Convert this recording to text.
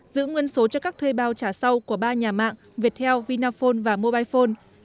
giữ nguyên số cho các thuê bao trả sau của ba nhà mạng viettel vinaphone và mobilephone